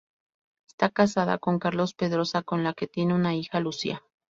Está casada con Carlos Pedrosa con la que tiene una hija, Lucía.